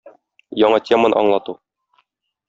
Яңа теманы аңлату.